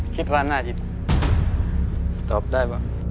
คิดว่าหน้าจิตตอบได้ป่ะ